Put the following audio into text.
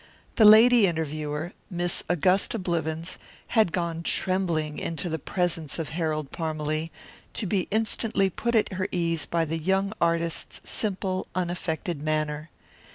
The lady interviewer, Miss Augusta Blivens, had gone trembling into the presence of Harold Parmalee, to be instantly put at her ease by the young artist's simple, unaffected manner.